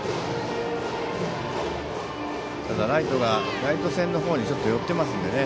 ただ、ライトがライト線の方にちょっと寄ってますのでね。